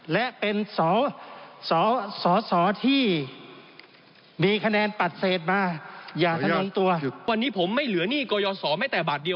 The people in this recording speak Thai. และเป็นสสที่